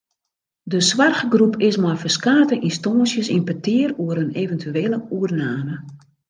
De soarchgroep is mei ferskate ynstânsjes yn petear oer in eventuele oername.